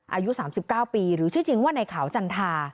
อายุ๓๙ปีหรือชื่อจริงว่าในขาวจันทา